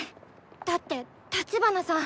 だって立花さん